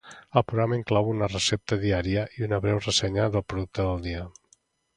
el programa inclou una recepta diària i una breu ressenya del producte del dia